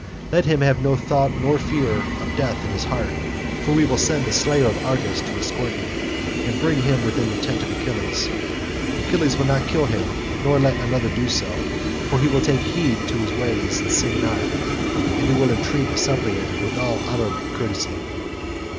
Let him have no thought nor fear of death in his heart, for we will send the slayer of Argus to escort him, and bring him within the tent of Achilles. Achilles will not kill him nor let another do so, for he will take heed to his ways and sin not, and he will entreat a suppliant with all honourable courtesy."